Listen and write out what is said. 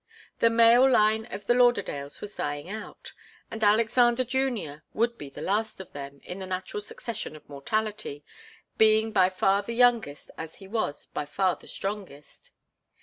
The male line of the Lauderdales was dying out, and Alexander Junior would be the last of them, in the natural succession of mortality, being by far the youngest as he was by far the strongest.